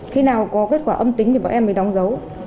khi nào có kết quả âm tính thì bọn em mới đóng dấu